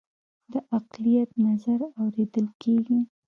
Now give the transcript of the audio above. د اقلیت نظر اوریدل کیږي؟